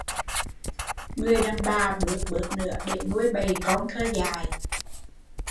Người đàn bà bước bước nữa để nuôi bầy con thơ dại